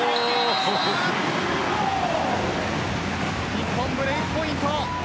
日本、ブレークポイント。